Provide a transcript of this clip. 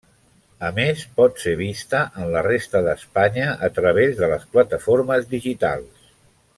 A més pot ser vista en la resta d'Espanya a través de les plataformes digitals.